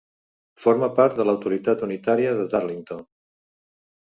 Forma part de l'autoritat unitària de Darlington.